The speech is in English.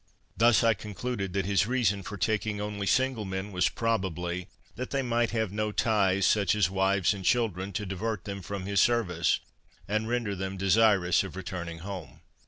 Thus I concluded, that his reason for taking only single men, was probably, that they might have no ties, such as wives and children, to divert them from his service, and render them desirous of returning home.